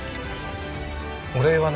お礼はね